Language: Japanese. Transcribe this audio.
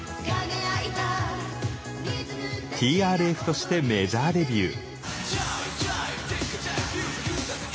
ｔｒｆとしてメジャーデビュー。